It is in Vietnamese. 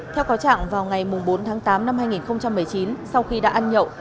theo cáo trạng vào ngày bốn tháng tám năm hai nghìn một mươi chín sau khi đã ăn nhậu